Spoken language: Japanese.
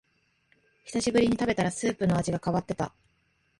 久しぶりに食べたらスープの味が変わってた